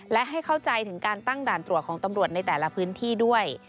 และให้เข้าใจถึงการตั้งด่านตรวจของตำรวจในแต่ละพื้นที่ด้วย